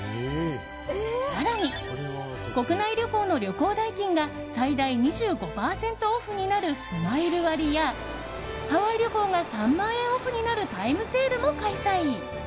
更に、国内旅行の旅行代金が最大２５％オフになるスマイル割やハワイ旅行が３万円オフになるタイムセールも開催。